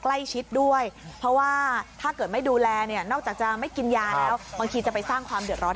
ใกล้ชิดด้วยเพราะว่าถ้าเกิดไม่ดูแลเนี่ยนอกจากจะไม่กินยาแล้วบางทีจะไปสร้างความเดือดร้อน